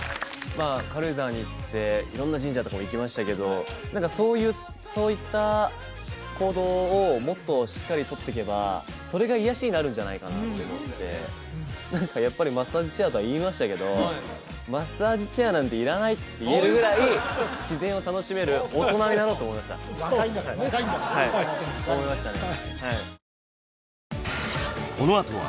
まあ軽井沢に行って色んな神社とかも行きましたけど何かそういった行動をもっとしっかり取っていけばそれが癒やしになるんじゃないかなと思って何かやっぱりマッサージチェアとは言いましたけどマッサージチェアなんていらないって言えるぐらい自然を楽しめる大人になろうと思いましたそうですね